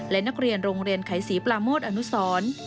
และนักเรียนโรงเรียนไขศรีปราโมทอนุสร